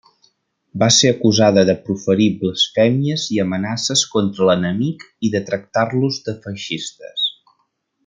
Va ser acusada de proferir blasfèmies i amenaces contra l’enemic i de tractar-los de feixistes.